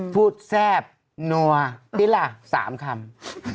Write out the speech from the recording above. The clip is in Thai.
พูดแซ่บนัวติระสามคำ